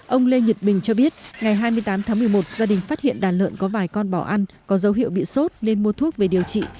ông lê nhật bình cho biết ngày hai mươi tám tháng một mươi một gia đình phát hiện đàn lợn có vài con bỏ ăn có dấu hiệu bị sốt nên mua thuốc về điều trị